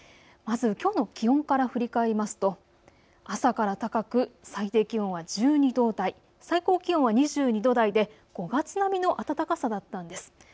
まずきょうの気温から振り返りますと朝から高く、最低気温は１２度台、最高気温は２２度台で５月並みの暖かさだったんです。